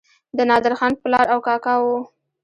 د نادرخان پلار او کاکا وو.